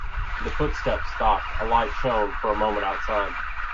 The footsteps stopped, a light shone for a moment outside.